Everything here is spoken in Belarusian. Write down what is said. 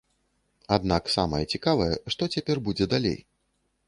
Аднак самае цікавае, што цяпер будзе далей.